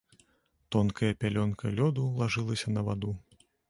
Тонкая пялёнка лёду лажылася на ваду.